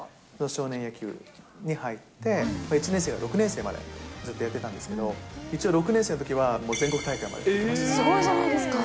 少年野球に入って、１年生から６年生までずっとやってたんですけど、一応６年生のときは、すごいじゃないですか。